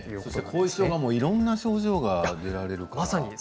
後遺症はいろんな症状が出るから。